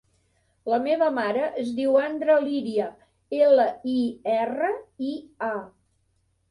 La meva mare es diu Andra Liria: ela, i, erra, i, a.